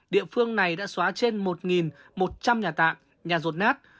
địa phương này đã xóa trên một một trăm linh nhà tạm nhà rột nát